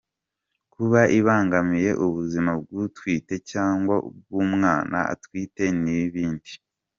kuba ibangamiye ubuzima bw’utwite cyangwa ubw’umwana atwite n’ibindi